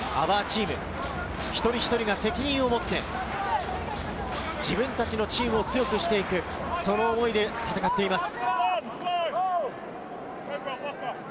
ＯｕｒＴｅａｍ、一人一人が責任をもって、自分たちのチームを強くしていく、その思いで戦っています。